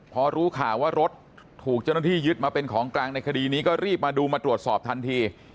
พอรู้ข่าวว่ารถถูกเจ้าหน้าที่ยึดมาเป็นของกลางในคดีนี้ก็รีบมาดูมาตรวจสอบทันที